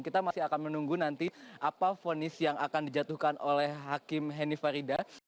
kita masih akan menunggu nanti apa fonis yang akan dijatuhkan oleh hakim henny farida